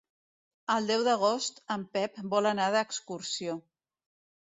El deu d'agost en Pep vol anar d'excursió.